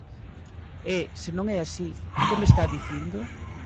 E, se non é así, ¿que me está dicindo?